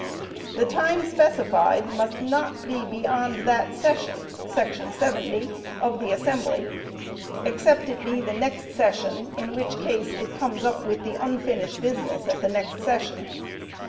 The time specified must not be beyond that session [§ 70] of the assembly, except it be the next session, in which case it comes up with the unfinished business at the next session.